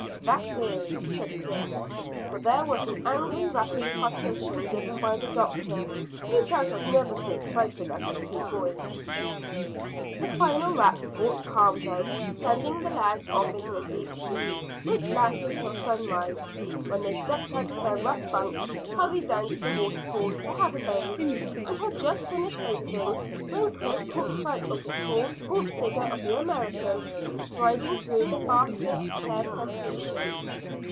"That is," said Chris, for there was an angry rap on the partition, given by the doctor, who felt as nervously excited as the two boys. The final rap brought calm, though, sending the lads off into a deep sleep which lasted till sunrise, when they stepped out of their rough bunks, hurried down to the water pool to have a bathe, and had just finished bathing when Chris caught sight of the tall gaunt figure of the American striding through the Bartlett pear plantation.